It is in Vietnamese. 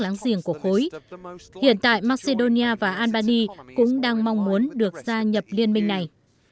láng giềng của khối hiện tại macedonia và albany cũng đang mong muốn được gia nhập liên minh này